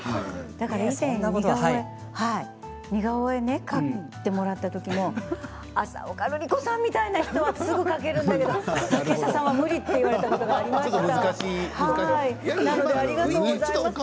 以前、似顔絵を描いてもらったときも浅丘ルリ子さんみたいな人はすぐ描けるけど竹下さんは無理と言われたことがありました。